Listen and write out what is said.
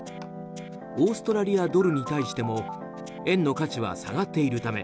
オーストラリアドルに対しても円の価値は下がっているため